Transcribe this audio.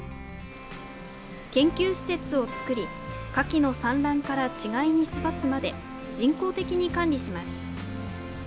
研究施設を作りカキの産卵から稚貝に育つまで人工的に管理します。